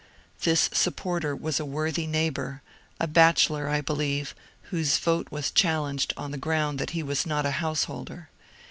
This supporter was a worthy neighbour, a bachelor I be lieve, whose vote was challenged on the ground that he was not a householder.